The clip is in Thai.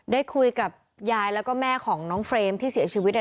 ได้คุยกับยายแล้วก็แม่ของน้องเฟรมที่เสียชีวิต